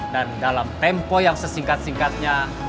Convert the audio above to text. dan dalam tempo yang sesingkat singkatnya